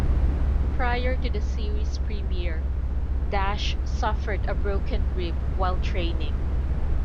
Prior to the series premiere, Dash suffered a broken rib while training.